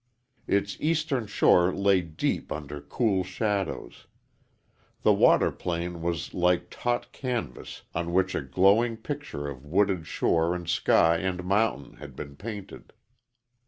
Its eastern shore lay deep under cool shadows. The water plane was like taut canvas on which a glowing picture of wooded shore and sky and mountain had been painted.